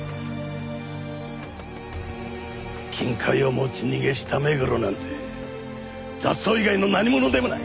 金塊を持ち逃げした目黒なんて雑草以外の何ものでもない。